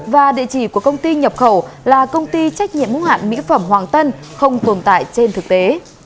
và địa chỉ của công ty nhập khẩu là công ty trách nhiệm hữu hạn mỹ phẩm hoàng tân không tồn tại trên thực tế